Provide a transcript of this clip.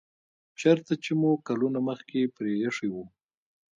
چیرته چې مو کلونه مخکې پریښی و